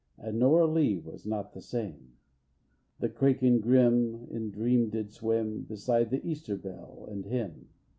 And Nora Lee was not the same. III. The kraken grim, in dream, did swim Beside the Easter Bell, and him.